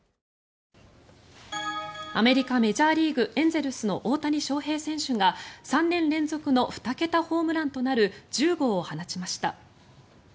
アメリカ、メジャーリーグエンゼルスの大谷翔平選手が３年連続の２桁ホームランとなる１０号を放ちました。